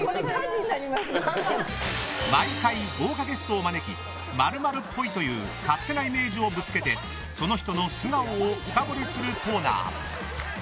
毎回、豪華ゲストを招き○○っぽいという勝手なイメージをぶつけてその人の素顔を深掘りするコーナー。